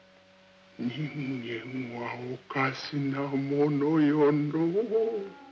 人間はおかしなものよのう。